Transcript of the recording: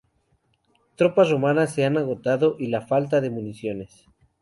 Tropas romanas se han agotado y la falta de municiones.